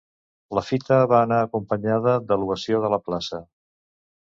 La fita va anar acompanyada de l’ovació de la plaça.